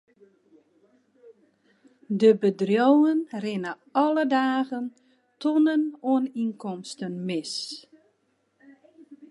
De bedriuwen rinne alle dagen tonnen oan ynkomsten mis.